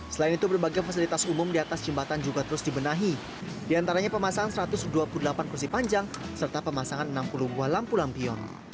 selain itu berbagai fasilitas umum di atas jembatan juga terus dibenahi diantaranya pemasangan satu ratus dua puluh delapan kursi panjang serta pemasangan enam puluh buah lampu lampion